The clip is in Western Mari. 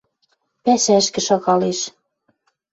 Пӓшӓшкӹ шагалеш